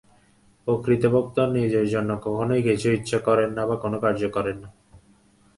প্রকৃত ভক্ত নিজের জন্য কখনও কিছু ইচ্ছা করেন না বা কোন কার্য করেন না।